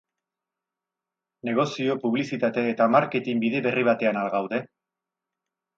Negozio, publizitate eta marketing bide berri batean al gaude?